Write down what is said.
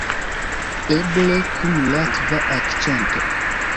Eble, kun latva akĉento.